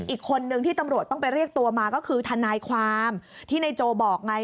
อีกคนนึงที่ตำรวจต้องไปเรียกตัวมาก็คือทนายความที่ในโจบอกไง